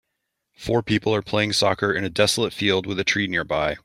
Four people are playing soccer in a desolate field with a tree nearby.